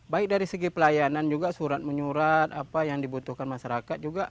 baik dari segi pelayanan juga surat menyurat apa yang dibutuhkan masyarakat juga